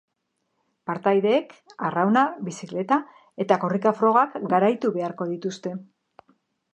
Partaideek arrauna, bizikleta eta korrika frogak garaitu beharko dituzte!